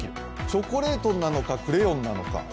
チョコレートなのかクレヨンなのか。